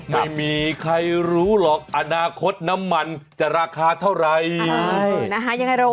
ไม่มีใครรู้หรอกอนาคตน้ำมันจะราคาเท่าไหร่